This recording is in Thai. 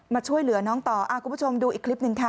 มาช่วยเหลือน้องต่อคุณผู้ชมดูอีกคลิปหนึ่งค่ะ